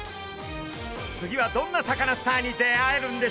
次はどんなサカナスターに出会えるんでしょうか？